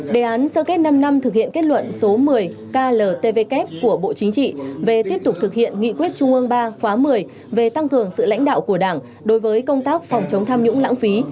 đề án sơ kết năm năm thực hiện kết luận số một mươi kltvk của bộ chính trị về tiếp tục thực hiện nghị quyết trung ương ba khóa một mươi về tăng cường sự lãnh đạo của đảng đối với công tác phòng chống tham nhũng lãng phí